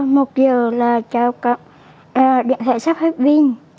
lúc một h là điện thoại sắp hết pin